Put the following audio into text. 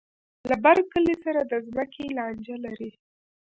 له بر کلي سره د ځمکې لانجه لري.